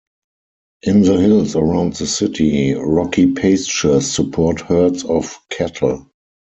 In the hills around the city, rocky pastures support herds of cattle.